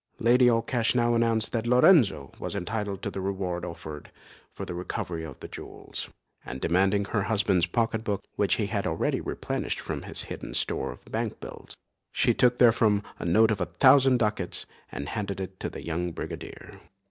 Lady Allcash now announced that Lorenzo was entitled to the reward offered for the recovery of the jewels, and demanding her husband's pocket book, which he had already replenished from his hidden store of bank bills, she took therefrom a note for a thousand ducats, and handed it to the young brigadier.